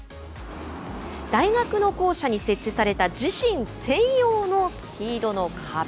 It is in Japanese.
大学の校舎に設置された自身専用のスピードの壁。